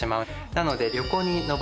なので。